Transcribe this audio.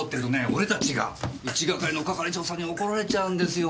俺たちが１係の係長さんに怒られちゃうんですよ